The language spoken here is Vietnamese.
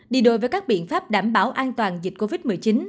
đi đôi với các biện pháp đảm bảo an toàn dịch covid một mươi chín